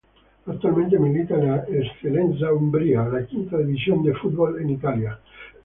Actualmente milita en la Eccellenza Umbría, la quinta división de fútbol en Italia.